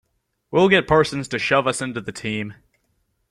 We'll get Parsons to shove us into the team.